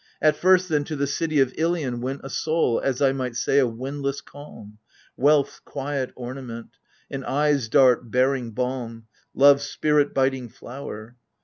At first, then, to the city of Ilion went A soul, as I might say, of windless calm — Wealth's quiet ornament, An eyes' dart bearing balm, Love's spirit biting flower.